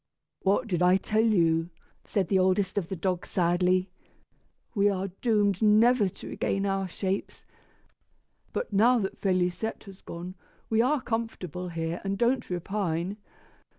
"What did I tell you?" said the oldest of the dogs sadly. "We are doomed never to regain our shapes; but, now that Félisette has gone, we are comfortable here and don't repine.